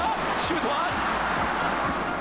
シュートは。